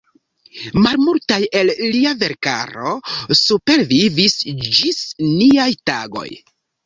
Malmultaj el lia verkaro supervivis ĝis niaj tagoj.